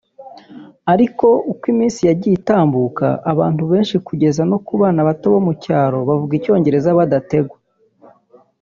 Ariko uko iminsi yagiye itambuka abantu benshi kugeza no ku bana bato mu cyaro bavuga Icyongereza badategwa